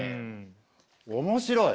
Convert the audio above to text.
面白い！